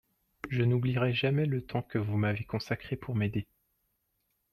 Je n'oublierai jamais le temps que vous m'avez consacré pour m'aider.